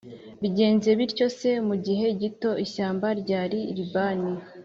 Bigenze bityo se, mu gihe gito ishyamba rya Libani